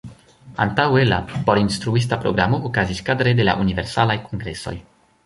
Antaŭe, la por instruista programo okazis kadre de la universalaj kongresoj.